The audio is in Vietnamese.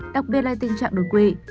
đặc biệt là tình trạng đột quỵ